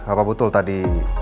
apa betul tadi